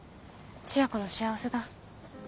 千夜子の幸せだ。